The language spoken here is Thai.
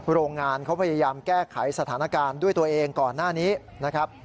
โรงงานเขาพยายามแก้ไขสถานการณ์ด้วยตัวเองก่อนหน้านี้นะครับ